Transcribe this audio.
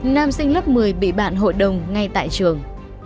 nam sinh lớp một mươi bị bạn hội đồng ngay tại trường